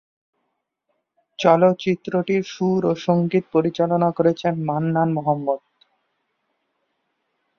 চলচ্চিত্রটির সুর ও সঙ্গীত পরিচালনা করেছেন মান্নান মোহাম্মদ।